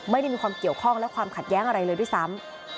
ไม่ได้มีความเกี่ยวข้องและความขัดแย้งอะไรเลยด้วยซ้ำ